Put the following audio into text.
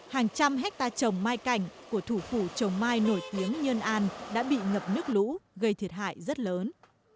hàng trăm hectare trồng mai cảnh của thủ phủ trồng mai nổi tiếng nhân an đã bị ngập nước lũ gây thiệt hại rất lớn